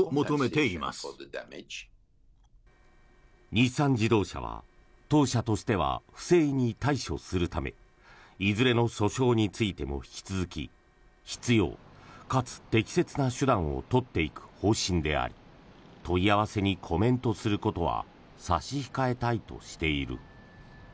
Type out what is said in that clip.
日産自動車は当社としては不正に対処するためいずれの訴訟についても引き続き必要かつ適切な手段を取っていく方針であり問い合わせにコメントすることは差し控えたいとしている。